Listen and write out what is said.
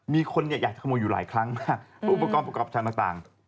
มีคนอยากขโมยอยู่หลายครั้งมากอุปกรณ์ประกอบชันต่าง